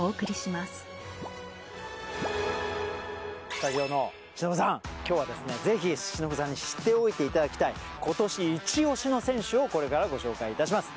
スタジオの忍さん、きょうはぜひ忍さんに知っておいていただきたい、ことし一押しの選手をこれからご紹介します。